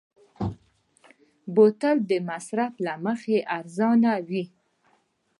بوتل د مصرف له مخې ارزانه وي.